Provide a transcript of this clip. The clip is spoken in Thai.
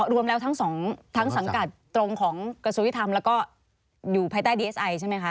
รวมแล้วทั้งสองทั้งสังกัดตรงของกระทรวงยุทธรรมแล้วก็อยู่ภายใต้ดีเอสไอใช่ไหมคะ